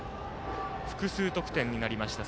複数得点になりました。